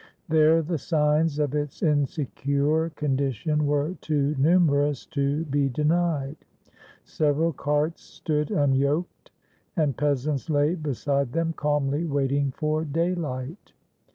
There the signs of its insecure condition were too numerous to be denied. Several carts stood unyoked, and peasants lay beside them, calmly waiting for daylight.